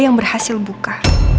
yang berhasil buka